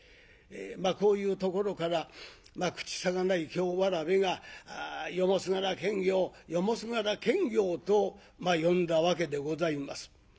こういうところから口さがない京童が「夜もすがら検校夜もすがら検校」と呼んだわけでございます。